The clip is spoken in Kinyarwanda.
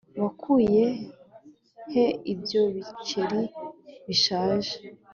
Wakuye he ibyo biceri bishaje